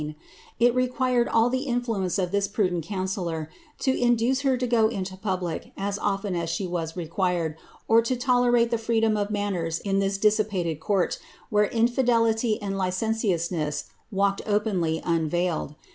It required all the influence of this prudent counsellor 0 go into public as often as she was required, or to tole m of manners in tliat dissipated court, where infidelity and walked openly unveiled.